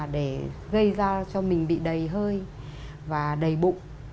để gây ra cho mình bị đầy hơi và đầy bụng